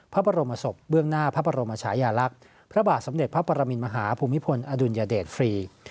พระบรมศพเบื้องหน้าพระบรมชายาลักษณ์พระบาทสมเด็จพระปรมินมหาภูมิพลอดุลยเดชฟรี